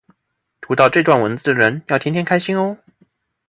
读到这段文字的人要天天开心哦